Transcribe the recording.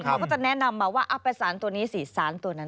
เขาก็จะแนะนำมาว่าเอาไปสารตัวนี้สิสารตัวนั้น